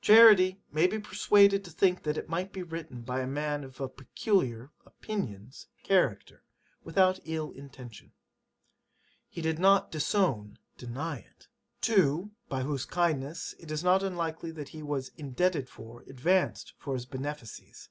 'Charity may be persuaded to think that it might be written by a man of a peculiar [opinions] character, without ill intention. He did not [disown] deny it. '[To] by whose kindness it is not unlikely that he was [indebted for] advanced to his benefices.